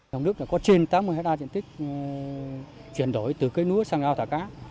hồng đức có trên tám mươi ha diện tích chuyển đổi từ cây núa sang ao thả cá